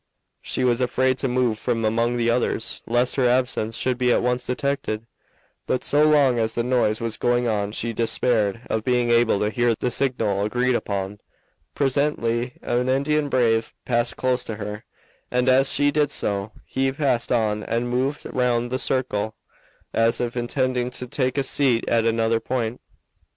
She was afraid to move from among the others lest her absence should be at once detected, but so long as the noise was going on she despaired of being able to hear the signal agreed upon. Presently an Indian brave passed close to her, and as he did so whispered in her ear in English, "Behind your wigwam friends there." Then he passed on and moved round the circle as if intending to take his seat at another point.